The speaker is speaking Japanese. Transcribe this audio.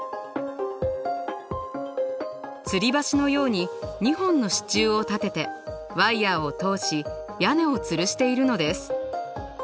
つり橋のように２本の支柱を立ててワイヤーを通し屋根をつるしているのです。